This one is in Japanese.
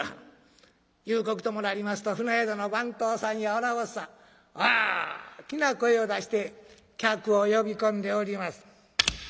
夕刻ともなりますと船宿の番頭さんや女子衆さん大きな声を出して客を呼び込んでおります。